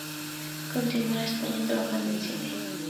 Continúa en España trabajando en cine.